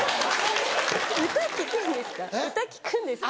歌聴くんですか？